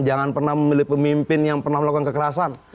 jangan pernah memilih pemimpin yang pernah melakukan kekerasan